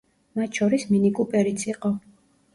მათ შორის მინიკუპერიც იყო.